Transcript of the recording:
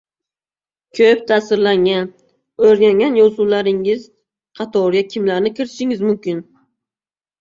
– Koʻp taʼsirlangan, oʻrgangan yozuvchilaringiz qatoriga kimlarni kiritishingiz mumkin?